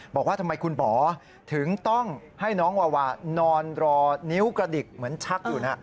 บอกว่าทำไมคุณหมอถึงต้องให้น้องวาวานอนรอนิ้วกระดิกเหมือนชักอยู่นะ